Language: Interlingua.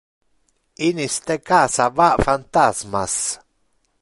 In iste casa va phantasmas.